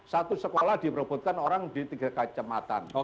satu sekolah diperobotkan orang di tiga kecamatan